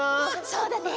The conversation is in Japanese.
そうだね。